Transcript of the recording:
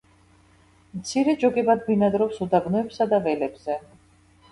მცირე ჯოგებად ბინადრობს უდაბნოებსა და ველებზე.